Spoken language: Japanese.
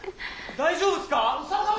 大丈夫すか？